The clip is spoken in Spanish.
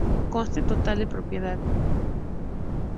Coste total de propiedad